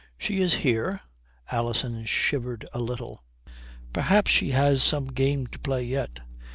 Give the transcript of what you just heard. "She is here?" Alison shivered a little. "Perhaps she has some game to play yet.